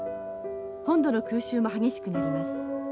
本土の空襲も激しくなります。